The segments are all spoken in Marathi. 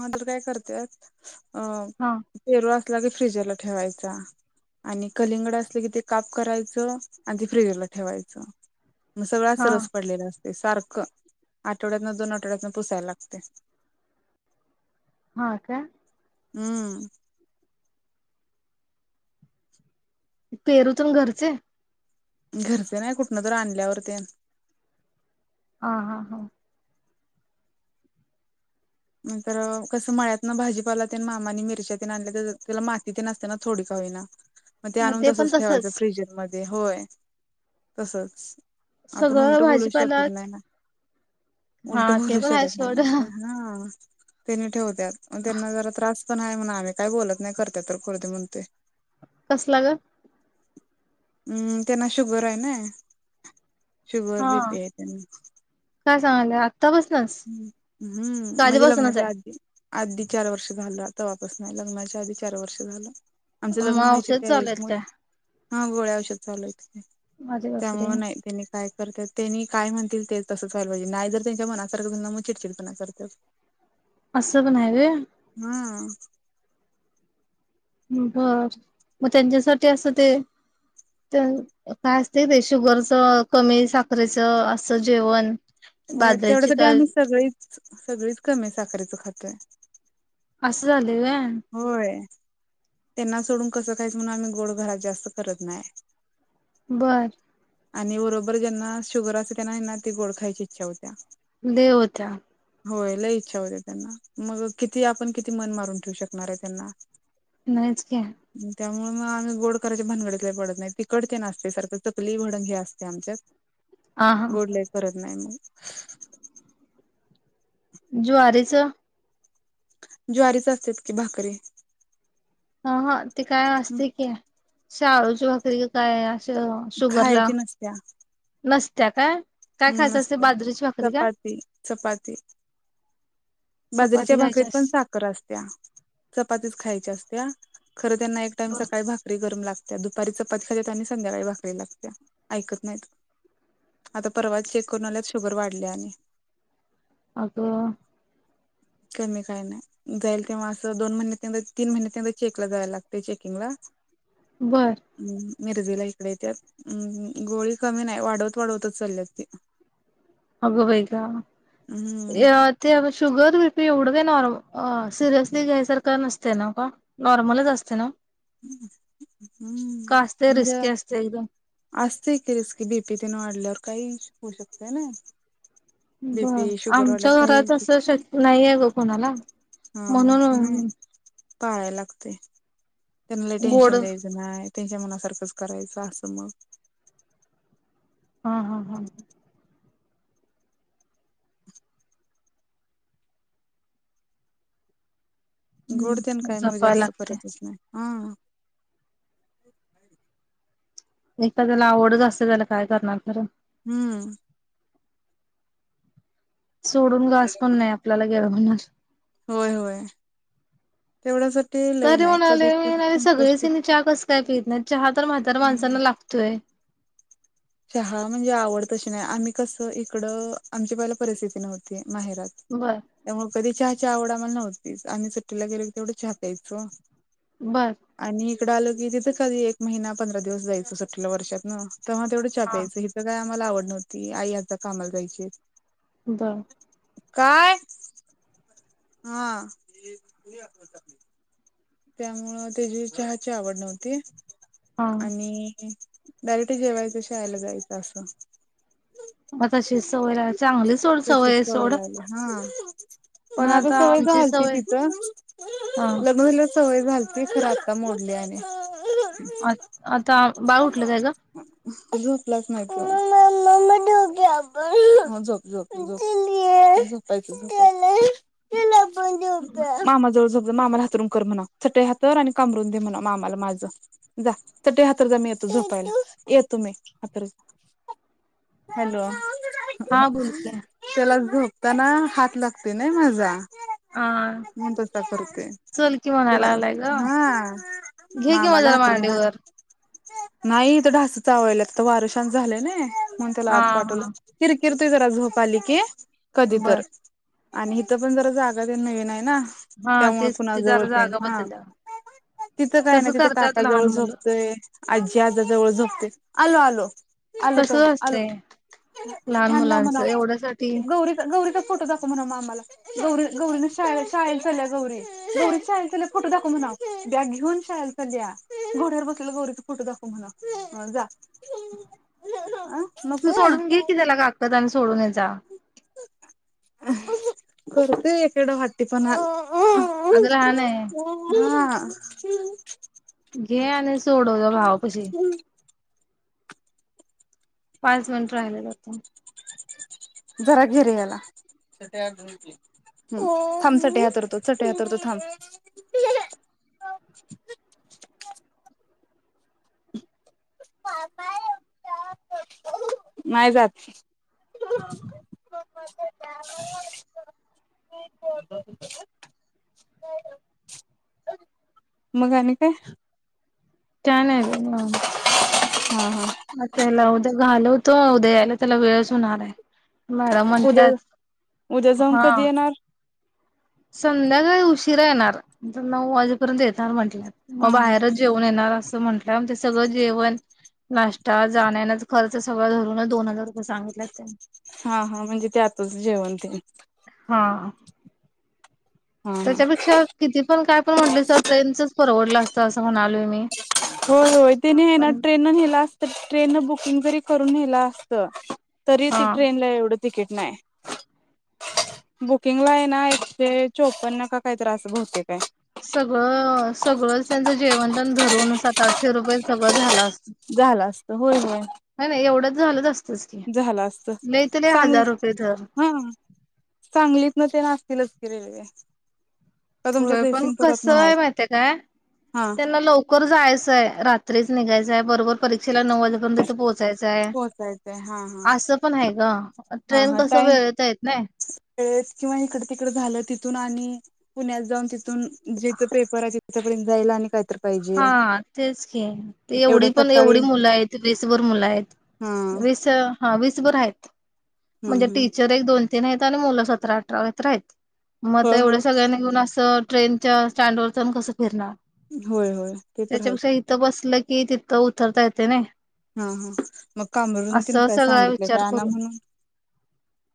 ह तर काय करतेत अ हा. पेरू असला की फ्रीजरला ठेवायचा. आणि कलिंगड असलं की, ते काप करायचं आणि ते फ्रिजरला ठेवायचं. मग सगळा अस हा रस पडलेला असतय. सारखं. आठवड्यातन दोन आठवड्यातन पुसायला लागतेय. हा का? हम्म. पेरू तून घरचे? घरचे नाही. कुठन तर आणल्यावर ते. हा हा हा. नंतर कसं मळ्यातन भाजीपालाते मामाने मिरच्या ते आणल्या तर त्याला माती तेन असते ना थोडी का होईना. [inaudible] मग ते आणून तसच ठेवायचं फ्रिजरमध्ये. होय तसच. आपण सगळं उलट बोलू भाजीपाला शकत नाय ना. हा उलट ते बोलू पण आहे शकत नाय सोड ना. हा. त्यांनी ठेवतात. त्यांना जरा त्रास पण हाये म्हणा. आम्ही काय बोलत नाही. करत्या तर करू दे म्हणते. कसला ग? अम् त्यांना शुगर हाय ना. शुगर, हा बीपीये त्यांना. काय सांगलात? आता पासून? हम्म म्हणजे लग्नाच्या आधी. आधी चार वर्ष झालं. तवापसन लग्नाच्या आधी चार वर्ष झालं. आमचं मग लग्न व्हायचे औषध ते चालू आहेत म काय हा गोळ्या औषध चालूय. अरे बापरे त्यामुळे ते काय करते त्यांनी काय म्हणतील ते तसंच व्हायला पाहिजे. नाय जर त्यांच्या मनात ना मग चिडचिडपणा करताय. असं पण हाये व्हय? ह. बर मग त्यांच्यासाठी असं ते तर काय असते ते शुगरच कमी साखरेच असं जेवण हो बाजरीची तेवढ्यासाठी काय आम्ही सगळीच सगळीच कमी साखरेचं खातोय. असं झालंयं होय. होय त्यांना सोडून कसं खायचं म्हणून आम्ही गोड घरात जास्त करत नायं बरं आणि बरोबर ज्यांना शुगर असते त्यांना ना ते गोड खायची इच्छा होत्या. दे होत्या. होय लय इच्छा होते त्यांना मग किती आपण किती मन मारून ठेवू शकणार आहे त्यांना नाहीच की त्यामुळ म आम्ही गोड करायच्या भानगडीत लई पडत नाही तिकट तेन असतय सारखं चकली, भडंग ते असतय आमच्यात आ हा गोड लई करत नाही मग ज्वारीचं ज्वारीचं असत्यात की भाकरी अह ते काय असते की शाळू जोंधळी काय अस शुगरला खायची नसत्या नसत्या काय काय हम्म खायचं असते नसत्या बाजरीची भाकरी का चपाती चपाती बाजरीच्या चपाती खायची भाकरीत पण असते सा खर असत्या चपातीच खायची असत्या खर त्यांना एक टाईम बर सकाळी भाकरी भाकरी गरम लागत्या दुपारी चपाती खालीत आणि संध्याकाळी भाकरी लागत्या ऐकत नाहीत. परवाच चेक करून आल्यात शुगर वाढल्या आणि अगं कमी कायं नाय. जाईल तेव्हा असं दोन महिन्यातन एकदा तीन महिन्यातन एकदा चेक ला जायला लागत चेकिंग ला बरं मिरजीला इकडे येत्यात गोळी कमी नाही वाढवत वाढवतच चालल्यात. [unintelligible] अगं बाई ना हम्म [unintelligible] ते अगं शुगर, बीपी एवढं का नॉर्म अ सिरियसली घ्यायसारखं नसतय ना मग नॉर्मलच असतय नव्ह हम्म का असतय म्हणजे रिस्की असते एकदम असतय की रिस्की बीपी तेन वाढल्यावर काही होऊ शकते ना बर बीपी शुगर आमच्या वाढल्यावर काही होऊ घरात शकत असं शक नाही आहे ग कोणाला हा ह नाही म्हणून पाळाय लागतय त्यांनाला टेन्शन लय गोड टेन्शन द्यायच नाही त्यांच्या मनासारखंच करायचं असं मग हा हा हा गोड तेन हम्म काय मग जपाय जास्त लागते. करतच नाही. हा एकदाला आवडत असते त्याला काय करणार खरं हम्म सोडून घास पण नाही आपल्याला गिळवणार. होय होय तेवढ्यासाठी लय तरी नाही कधी म्हणालोय तर मी संकष्ट सगळीच हिनी चहा कसं काय पित नाही चहा तर म्हाताऱ्या माणसांना लाग तोय. चहा म्हणजे आवड तशी नाही आम्ही कसं इकडं आमची पहिला परिस्थिती नव्हती माहेरात बरं त्यामुळे कधी चहाची आवड आम्हांला नव्हती आणि सुट्टीला गेलो तेवढं चहा प्यायचो. बरं आणि इकडं आलो की तिथं कधी एक महिना पंधरा दिवस जायचं सुट्टीला वर्षातन तेव्हा तेवढिच चहा हा प्यायचं इथं काय आम्हांला आवड नव्हती आई आता कामाला जायची. बरं काय? हा त्यामुळं त्याजी चहाची आवड नव्हती हा. आणि डायरेक्ट जेवायचं शाळेला जायचं असं म तशी सवय लागल चांगली सोड सवय तशीच ये सोड लागली हा पण माग आता सवय आमची झालती सवय तिथं हा लग्न झाल्यावर सवय झालती खरं आता मोडली आणि आ आता बाळ उठलं काय ग झोपलाच नाय त्यो हं झोप झोप झोप झोपायचं झोपा मामा जवळ झोप जा मामाला अंथरूण कर म्हणाव चटई हातर आणि कामरुन दे म्हणाव मामला माझं जा चटई हात हातर जा मी येतो झोपायला येतो मी हाथर जा हॅलो हा बोल क्या त्याला झोपताना हात लागतोय नाय माझा हा म्हणून तसा करतोय. चल की कुणा म्हणायला लागलाय ग. हा घे कि म मामाला जरा हातरून घाल मांडीवर नाही इथं ढास चावल्यात आता वार शान्त झालं नय म्हणून त्याला हा आत पाठवलं. हा किरकिरतोय जरा झोप आली की बर. कधीतर आणि हिथं पण जरा जागा तेनं नवीन हाय ना हा त्यामुळ तेच कुणा की जवळ जरा तेन जागा हा बदलल्या तिथं काय नाय तसं तिथं करतात काका जवळ लहान मुलं झोप तय अज्जी आजा जवळ झोपतय आलो आलो आलो तसच तो आलो असतंय लहान फॅन लाव मुलांचं म्हणाव एवढ्यासाठी गौरी गौरीचा फोटो दाख च म्हणाव मामाला गौरी गौरीनं शाळे शाळेला चाल्या गौरी गौरी चा शाळेला चाललेला फोटो दाखव म्हणाव बॅग घेऊन शालेला चलल्या घोड्यावर बस तिला गौरीचा फोटो दाखव म्हणा हं जा अं तू सोडून घे की त्याला काकत आणि सोडून ये जा करतोय एकीडाव हट्टीपणा अगं लहान आहे हा घे आणि सोडव जा भावा पाशी पाच मिनट राहिलेलं होत. जरा घे रे याला ह थांब चटई हातरतो चटई हातरतो थांब. [unintelligible] नाय जात [inaudible] मग आणि काय काय नाय बई निवांत हा हा म त्याला उद्या घालवतो. उद्या यायला त्याला वेळच होणार हाय. मॅडम उद्या म्हंटल्यात उद्या जाऊन हा कधी येणार संध्याकाळी उशिरा येणार नऊ वाजेपर्यंत येेतणार म्हटल्यात म हा हा बाहेरच जेवू येणार असं म्हंटलं म ते सगळं जेवण नाष्टा जाण्या येण्याचा खर्च सगळं धरून दोन हजार म सांगितलत्यात त्यांनी हा हा म्हणजे त्यातच जेवण ते हा हा. हा त्याच्यापेक्षा किती पण काय पण म्हटले सर ट्रेनचच परवडलं अस होय होय तेने आहे ना पण ट्रेन ना नेहलास तर ट्रेन नं बुकिंग तरी करून नेहला असतं तरी हा ती ट्रेनला एवढ तिकीट नाय. बुकिंगला आहे ना एकशे चोपन्न का काही तर असं बहुतेक आहे. सगळं सगळं त्यांचं जेवन तेन धरून सात आठशे रुपये सगळं झालस. झालास नाही नाही एवढंच झालंच असतच की झालं असतं नाही लई ते लई हजार रुपये तर सांगलीतनं तेन असतीलच की रेल्वे का तुमच्या होय पण जयसिंगपुरात कसं ना आहे आहेत माही ते काय हा त्यांना लवकर जायचं आहे रात्रीच निघायचंय बरोबर परीक्षेला नऊ वाजेपर्यंत तिथं पोहोचायचं आहे पोहोचायचंय हा हा असं पण आहे गं. ट्रेन कसं वेळत आहेत नाय. खेडेत किंवा इकडं तिकडं झालं तिथून आणि पुण्यात जाऊन तिथून जिथं पेपर आहेत ती तिथं पर्यंत जायला आणि काहीतर हा तेच खे ते एवढ्या एवढी पण सकाळी एवढी मुलं आहे ती बेसभर मुलं आहेत. हा हम्म वीसं हा वीस भर आहेत. म्हणजे हम्म टीचर एक दोन तीन आहेत आणि मुलं सतरा अठरा तर आहेत. म हा एवढ्या हा सगळ्यांनी घेऊन असं ट्रेनच्या स्टँड वर जाऊन कसं फिरणार. होय होय ते तर हाय. त बसलं की तिथं उतरता येतेय नाय. हा हा मंग कामरून तेन काय सगळा सांगितलं काय विचार आणा करून म्हणून?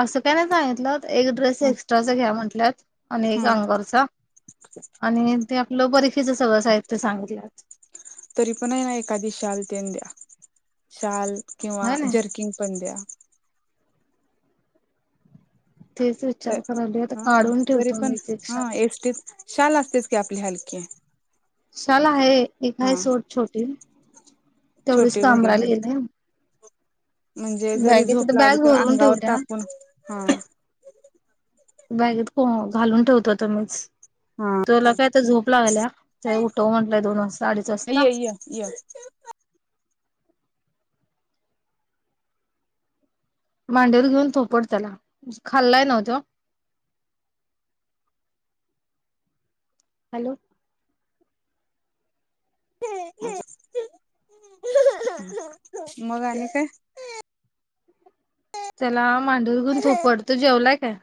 असं काय नाही सांगितलत एक ड्रेस एक्स्ट्राचा घ्या म्हंटल्यात आणि एक हा अंग वरचा. आणि ते आपलं बरीफीचा सगळं साहित्य सांगितल्यात. तरी पण आहे ना एखादी शाल तेन द्या शाल किंवा होय ना जर्किंग पण द्या. तेच वि त हा तरी पण एक हा शाल एकटीच शाल असतेच की आपली हलके. शाला आहे एक आहे सोड छोटी तेवढीच छोटी काम घडी घालून राहिलेली नायम. म्हणजे जरी झोप आता लागली बॅग तर भरून अंगावर ठेवल्या टाकून हा. बॅगेत कोण घालून ठेवतो आता मीच. हा तुला काय आता झोप लागल्या ते उठव म्हंटलं दोन वाजता अडीच वाजता. य मांडेवर घेऊन थोपट त्याला खाल्लाय नव्हतो. हॅलो. मग आणि काय? त्याला मांडीवर घेऊन थोपट तो जेवलाय काय?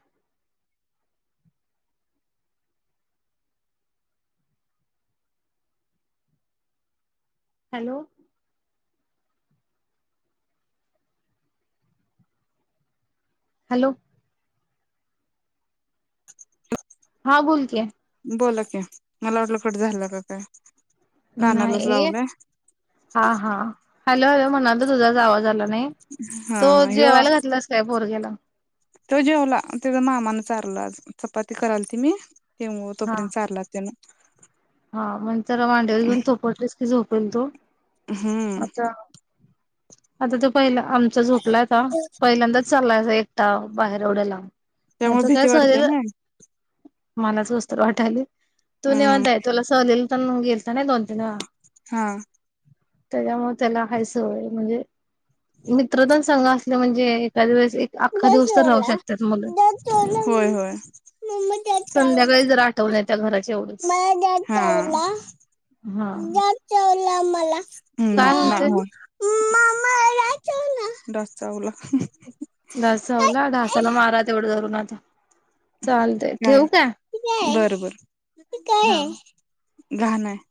हॅलो. हॅलो. हा बोल कय. बोला के मला वाटलं कट झालं का काय? कानालाच नाही लावलाय हा हा हॅलो हॅलो म्हणालतं तुझाच आवाज आला नाही. हा तो हा ह्यो जेवायला घातलास काय पोरग्याला? तो जेवला ते मामानं चारला आज. चपाती करायल ती मी तेवळ हा तोपर्यंत चारला. त्यांना हा मग तर मांडीवर घेऊन थोपटलीस की झोपेल तू हम्म आता आता तो पहिला आमचा झोपलाता पहिल्यांदा चालायच एकटा बाहेर एवढ्या लांब. त्यामुळे त्याचं काय भीती वाटते शरीर ना मलाच कसतरी वाटायला तो हम्म निवांत आहे. तुला सहलीला ते गेलताना दोन-तीन वेळा. हा. त्याच्यामुळे त्याला हाय सवय म्हणजे मित्र ते संग असले म्हणजे एखादे वेळेस अख्खा दश दिवस तर राहू ओला शकतात मुलं दश ओला होय होय मम्मी दश का जर आठव नाही त्या घराचे एवढंच हा हा [unintelligible] ला आमला काय म्हणते? ममा डास चावला डास चावला. डास चावला डासाला मारा तेवढं धरून आता चालतय काय ठेवू बरोबर ही हा. काय घाण आहे.